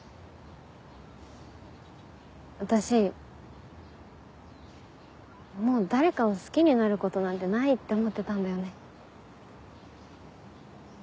私もう誰かを好きになることなんてないって思ってたんだよね。